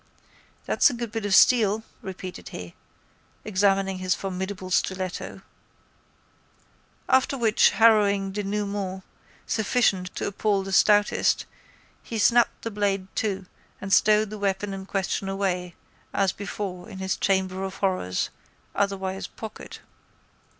—That's a good bit of steel, repeated he, examining his formidable stiletto. After which harrowing dénouement sufficient to appal the stoutest he snapped the blade to and stowed the weapon in question away as before in his chamber of horrors, otherwise pocket.